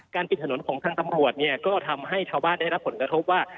ปิดถนนของทางตำรวจเนี่ยก็ทำให้ชาวบ้านได้รับผลกระทบว่า